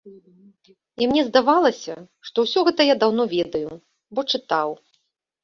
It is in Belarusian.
І мне здавалася, што ўсё гэта я даўно ведаю, бо чытаў.